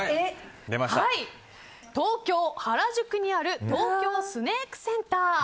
東京・原宿にある東京スネークセンター。